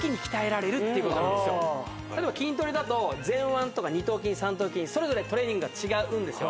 例えば筋トレだと前腕とか二頭筋三頭筋それぞれトレーニングが違うんですよ。